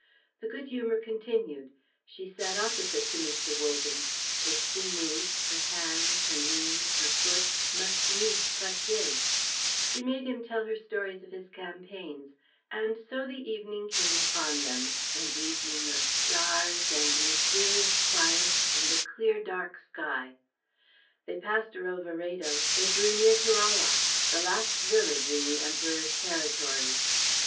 The good humour continued; she sat opposite to Mr. Wogan; if she moved, her hand, her knee, her foot, must needs touch his; she made him tell her stories of his campaigns; and so the evening came upon them, an evening of stars and mysterious quiet and a clear, dark sky. They passed Roveredo; they drew near to Ala, the last village in the Emperor's territories.